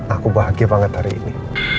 aku bahagia banget hari ini